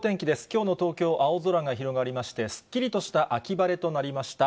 きょうの東京、青空が広がりまして、すっきりとした秋晴れとなりました。